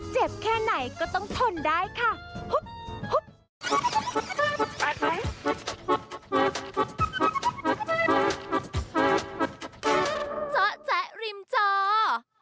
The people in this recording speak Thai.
เจ็บแค่ไหนก็ต้องทนได้ค่ะหุบหุบ